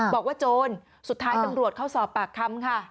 โจรสุดท้ายตำรวจเข้าสอบปากคำค่ะ